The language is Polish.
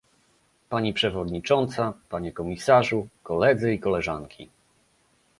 Pani przewodnicząca, panie komisarzu, koledzy i koleżanki